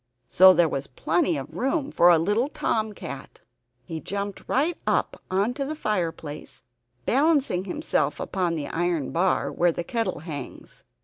So there was plenty of room for a little Tom Cat. He jumped right up into the fireplace, balancing himself upon the iron bar where the kettle hangs.